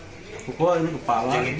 pukul ini kepala